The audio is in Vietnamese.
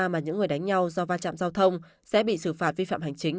mà những người đánh nhau do va chạm giao thông sẽ bị xử phạt vi phạm hành chính